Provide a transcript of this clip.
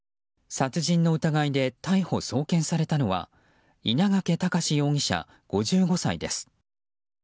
殺人の疑いで逮捕・送検されたのは稲掛躍容疑者、５５歳です。